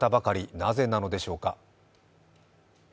なぜなのでしょうか？